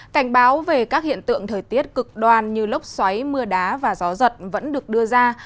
cảnh báo về các hiện tượng thời tiết cực đoan như lốc xoáy mưa đá và gió giật vẫn được đưa ra